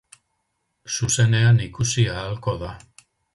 Zuzenean ikusi ahalko da.